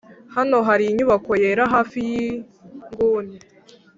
hano hari inyubako yera hafi yinguni.